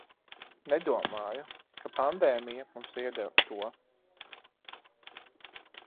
Nedomāju, ka pandēmija mums iedeva to...